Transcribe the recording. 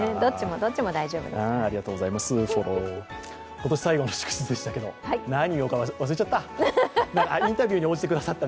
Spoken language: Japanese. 今年最後の祝日でしたが、何を言うか忘れちゃった。